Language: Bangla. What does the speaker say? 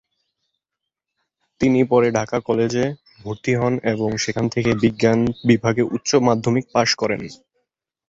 তিনি পরে ঢাকা কলেজে ভর্তি হন এবং সেখান থেকে বিজ্ঞান বিভাগে উচ্চ মাধ্যমিক পাস করেন।